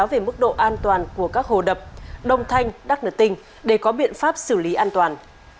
về mức độ an toàn của các hồ đập đông thanh đắk nửa tinh để có biện pháp xử lý an toàn